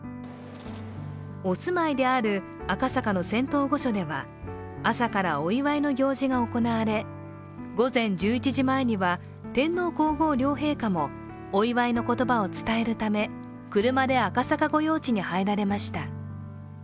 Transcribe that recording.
お住まいである赤坂の仙洞御所では朝からお祝いの行事が行われ、午前１１時前には天皇皇后両陛下もお祝いの言葉を伝えるため車で赤坂御用地に入られました。